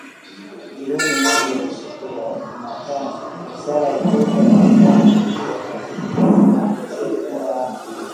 Jioni moja ya siku ya jumatano, Sarah alitoka darasani akiwa mchovu na mkosefu wa raha